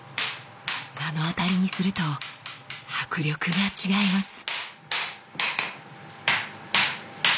目の当たりにすると迫力が違います。